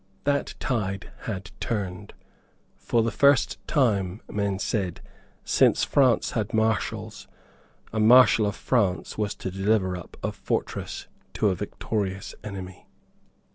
That tide had turned. For the first time, men said, since France had Marshals, a Marshal of France was to deliver up a fortress to a victorious enemy.